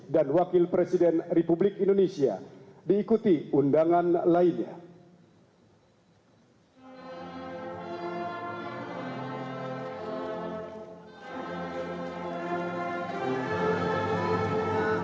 dimohon berkenan menuju meja penanda tanganan